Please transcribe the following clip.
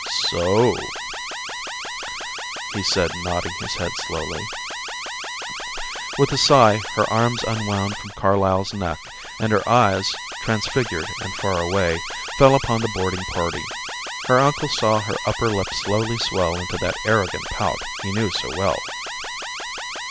"So," he said nodding his head slowly. With a sigh her arms unwound from Carlyle's neck, and her eyes, transfigured and far away, fell upon the boarding party. Her uncle saw her upper lip slowly swell into that arrogant pout he knew so well.